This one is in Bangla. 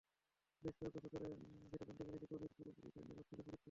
বেশ কয়েক বছর ধরে ঘেঁটে জানতে পেরেছি, কবির পূর্বপুরুষদের নিবাস ছিল ফরিদপুরে।